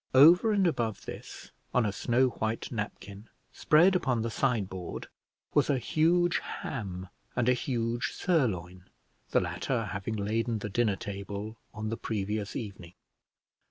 Over and above this, on a snow white napkin, spread upon the sideboard, was a huge ham and a huge sirloin; the latter having laden the dinner table on the previous evening.